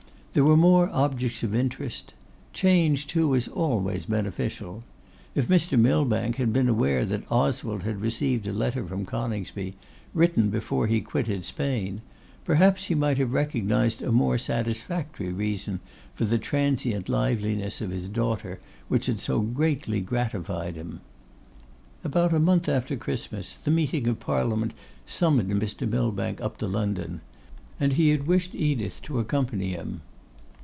There were more objects of interest: change, too, is always beneficial. If Mr. Millbank had been aware that Oswald had received a letter from Coningsby, written before he quitted Spain, perhaps he might have recognised a more satisfactory reason for the transient liveliness of his daughter which had so greatly gratified him. About a month after Christmas, the meeting of Parliament summoned Mr. Millbank up to London; and he had wished Edith to accompany him.